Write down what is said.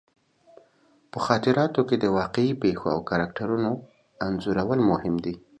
په خاطراتو کې د واقعي پېښو او کرکټرونو انځورول مهم دي.